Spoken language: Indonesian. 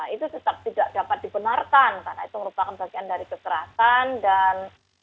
itu tetap tidak dapat dibenarkan karena itu merupakan bagian dari kekerasan dan